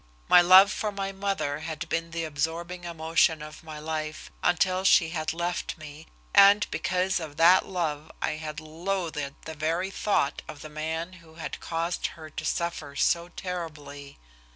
My love for my mother had been the absorbing emotion of my life, until she had left me, and because of that love I had loathed the very thought of the man who had caused her to suffer so terribly.